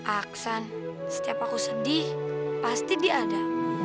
aksan setiap aku sedih pasti dia ada